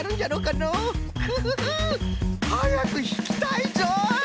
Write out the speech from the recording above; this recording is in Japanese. フフフはやくひきたいぞい！